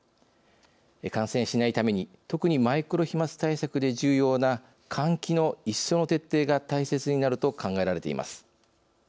感染しないために特にマイクロ飛まつ対策で重要な換気の一層の徹底が大切になると考えられています。